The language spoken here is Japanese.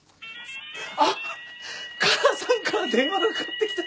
あっかなさんから電話がかかってきた。